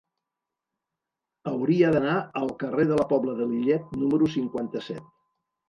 Hauria d'anar al carrer de la Pobla de Lillet número cinquanta-set.